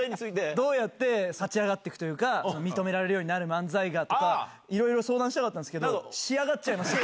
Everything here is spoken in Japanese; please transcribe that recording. どうやって勝ち上がっていくというか、認められるようになる漫才がとか、いろいろ相談したかったんですけど。